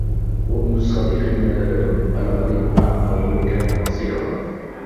غبن الصديق نذالة الغريب أعمى ولو كان بصيراً